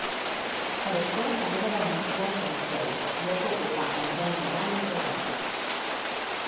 Per això hagué de renunciar al Consell, lloc que ocupà Antoni Nadal Urrea.